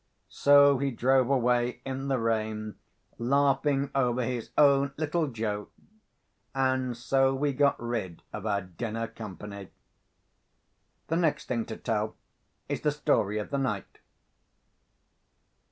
So he drove away in the rain, laughing over his own little joke; and so we got rid of our dinner company. The next thing to tell is the story of the night.